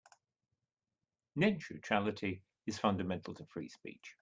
Net neutrality is fundamental to free speech.